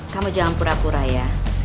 kamu jangan pura pura ya